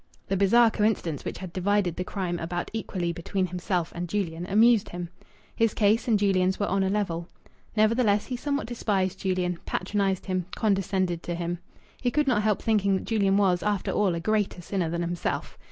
The bizarre coincidence which had divided the crime about equally between himself and Julian amused him. His case and Julian's were on a level. Nevertheless, he somewhat despised Julian, patronized him, condescended to him. He could not help thinking that Julian was, after all, a greater sinner than himself.